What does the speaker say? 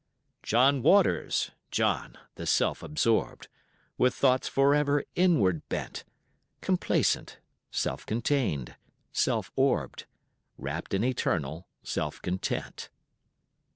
John Waters, John the self absorbed, With thoughts for ever inward bent, Complacent, self contained, self orbed, Wrapped in eternal self content.